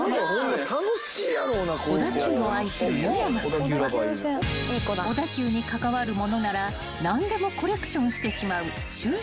［小田急を愛する湯山君は小田急に関わる物なら何でもコレクションしてしまう］